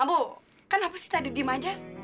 bu kenapa sih tadi diem aja